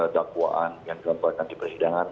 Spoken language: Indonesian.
dakwaan yang dilakukan di persidangan